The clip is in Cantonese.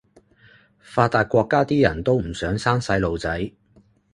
發達國家啲人都唔想生細路仔